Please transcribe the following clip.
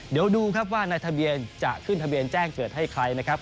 เดี๋ยวดูครับว่าในทะเบียนจะขึ้นทะเบียนแจ้งเกิดให้ใครนะครับ